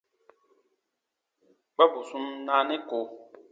Kpa bù sun naanɛ ko.